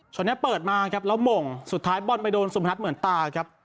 นี้เปิดมาครับแล้วหม่งสุดท้ายบอลไปโดนสุพนัทเหมือนตาครับ